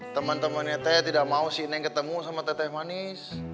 teman temannya teh tidak mau si neng ketemu sama teteh manis